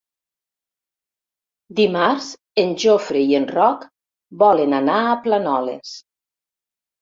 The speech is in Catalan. Dimarts en Jofre i en Roc volen anar a Planoles.